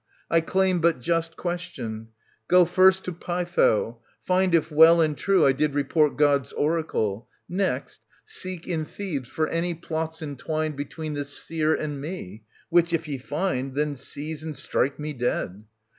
I claim but just Question. Go first to Pytho ; find if well And true I did report God's oracle. Next, seek in Thebes for any plots entwined Between this seer and me ; which if ye find. Then seize and strike me dead.